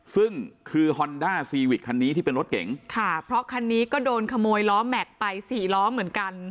ซึ่งคือฮอนด้าซีวิกคันนี้ที่เป็นรถเก๋งค่ะเพราะคันนี้ก็โดนขโมยล้อแม็กซ์ไปสี่ล้อเหมือนกัน